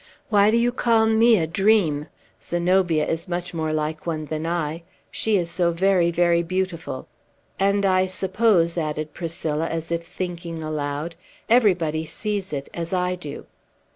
"Why do you call me a dream? Zenobia is much more like one than I; she is so very, very beautiful! And, I suppose," added Priscilla, as if thinking aloud, "everybody sees it, as I do."